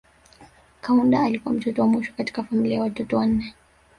Kaunda alikuwa mtoto wa mwisho katika familia ya watoto wanane